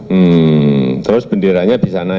hmm terus benderanya bisa naik